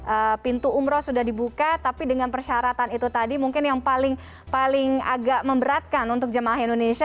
apakah pintu umroh sudah dibuka tapi dengan persyaratan itu tadi mungkin yang paling agak memberatkan untuk jemaah indonesia